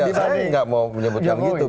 tadi tadi nggak mau menyebut yang gitu